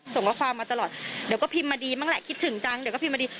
ส่งข้อความมาตลอดเดี๋ยวก็พิมพ์มาดีบ้างแหละคิดถึงจังเดี๋ยวก็พิมพ์มาดี